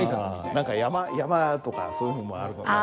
何か山とかそういうのもあるのかな？